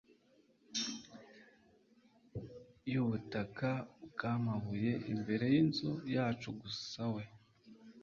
y'ubutaka bwamabuye imbere yinzu yacu gusa we